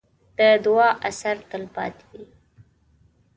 د دعا اثر تل پاتې وي.